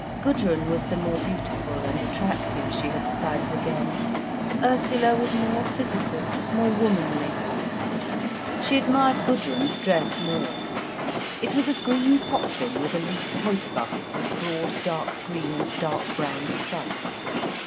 Gudrun was the more beautiful and attractive, she had decided again, Ursula was more physical, more womanly. She admired Gudrun's dress more. It was of green poplin, with a loose coat above it, of broad, dark green and dark brown stripes.